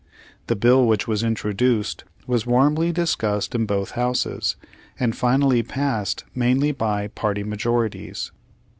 The bill which was introduced, was warmly discussed in both houses, and finally passed mainly by party majorities.